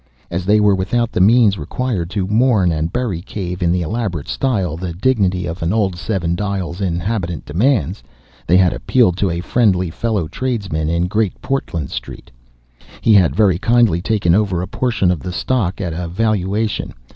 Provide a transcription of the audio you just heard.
As they were without the means required to mourn and bury Cave in the elaborate style the dignity of an old Seven Dials inhabitant demands, they had appealed to a friendly fellow tradesman in Great Portland Street. He had very kindly taken over a portion of the stock at a valuation.